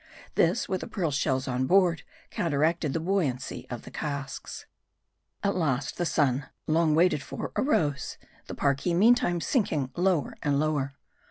This, with the pearl shells on board, counteracted the buoyancy of the casks. At last, the sun long waited for arose ; the Parki meantime sinking lower and lower.